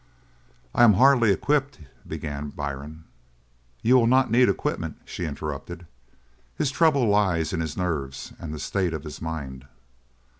"I am hardly equipped " began Byrne. "You will not need equipment," she interrupted. "His trouble lies in his nerves and the state of his mind."